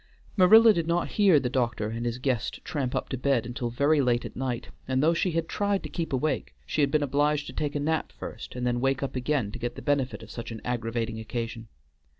Marilla did not hear the doctor and his guest tramp up to bed until very late at night, and though she had tried to keep awake she had been obliged to take a nap first and then wake up again to get the benefit of such an aggravating occasion.